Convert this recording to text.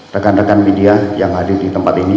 rekan rekan media yang hadir di tempat ini